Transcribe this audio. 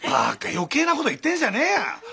余計なこと言ってんじゃねえや。